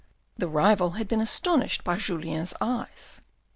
The rival had been astonished by Julien's eyes.